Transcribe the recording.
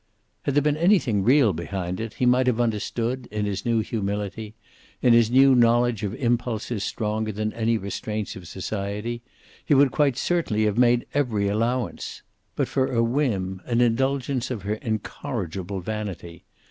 Had there been anything real behind it, he might have understood, in his new humility, in his new knowledge of impulses stronger than any restraints of society, he would quite certainly have made every allowance. But for a whim, an indulgence of her incorrigible vanity!